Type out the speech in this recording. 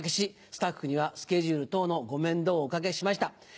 スタッフにはスケジュール等ご面倒をおかけしました。